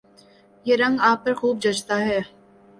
یہ رنگ آپ پر خوب جچتا ہے